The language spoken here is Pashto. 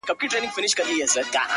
• شاعره خداى دي زما ملگرى كه؛